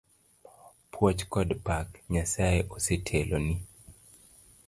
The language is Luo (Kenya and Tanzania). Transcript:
Puoch kod pak, Nyasaye oseteloni.